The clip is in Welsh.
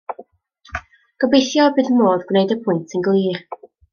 Gobeithio y bydd modd gwneud y pwynt yn glir.